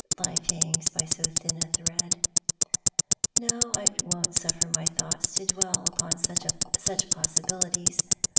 Life hangs h\ so thin a thread. No, I won't suffer my thoughts to dwell upon such possi bilities.